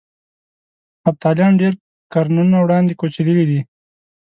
هفتالیان ډېر قرنونه وړاندې کوچېدلي دي.